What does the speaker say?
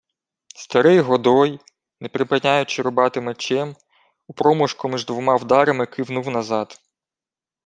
Старий Годой, не припиняючи рубати мечем, у проміжку між двома вдарами кивнув назад: